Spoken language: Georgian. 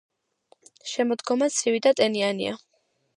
შემოდგომა ცივი და ტენიანია.